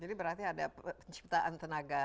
jadi berarti ada penciptaan tenaga